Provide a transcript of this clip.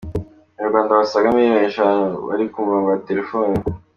Abanyarwanda basaga Miliyoni eshanu bari ku murongo wa Telefoni